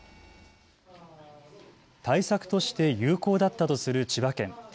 対策として有効だったとする千葉県。